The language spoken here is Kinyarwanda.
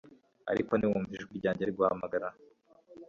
ariko ntiwumva ijwi ryanjye riguhamagara